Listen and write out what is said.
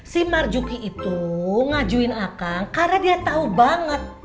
si marjuki itu ngajuin akang karena dia tahu banget